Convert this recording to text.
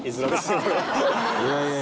いやいや。